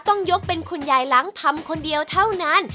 ต้องยกเป็นคุณยายหลังทำคนเดียวเท่านั้น